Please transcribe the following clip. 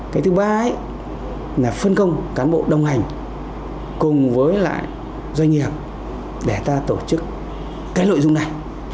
cái thứ ba là phân công cán bộ đồng hành cùng với doanh nghiệp để tổ chức lội dung này